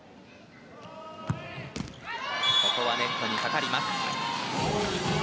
ここはネットにかかりました。